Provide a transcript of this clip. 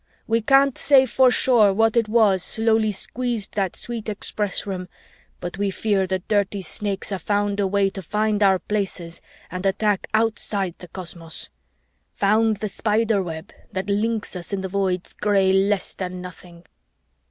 "We can't say for sure what was it slowly squeezed that sweet Express Room, but we fear the dirty Snakes have found a way to find our Places and attack outside the cosmos! found the Spiderweb that links us in the Void's gray less than nothing."